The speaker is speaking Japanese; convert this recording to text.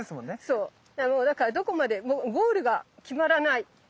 そうもうだからどこまでもゴールが決まらない。